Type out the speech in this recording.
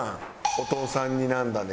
「お父さん似なんだね」